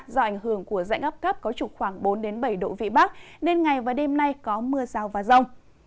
do ảnh hưởng của dãy ấp cấp có trục khoảng bốn bảy độ vị bắc nên ngày và đêm nay có mưa rào và rông